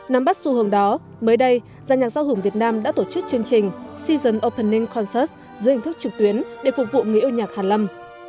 năm bắt xu hướng đó mới đây giang nhạc giao hưởng việt nam đã tổ chức chương trình season opening concert dưới hình thức trực tuyến để phục vụ nghị âu nhạc hàn lâm